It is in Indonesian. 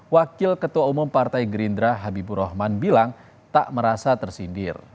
wakil ketua umum partai gerindra habibur rahman bilang tak merasa tersindir